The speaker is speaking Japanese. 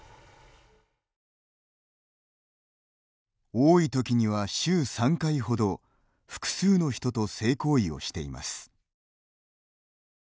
多い時には、週３回ほど複数の人と性行為をしています。